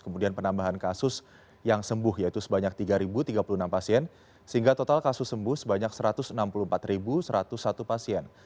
kemudian penambahan kasus yang sembuh yaitu sebanyak tiga tiga puluh enam pasien sehingga total kasus sembuh sebanyak satu ratus enam puluh empat satu ratus satu pasien